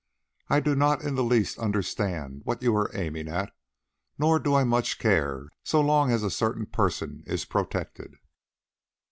I do not in the least understand what you are aiming at, nor do I much care so long as a certain person is protected."